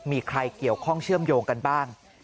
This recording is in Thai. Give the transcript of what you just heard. มีใครเกี่ยวข้องเชื่อมโยงกันบ้าง